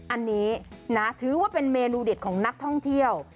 อันนี้นะถือว่าเป็นเมนูเด็ดของนักท่องเที่ยว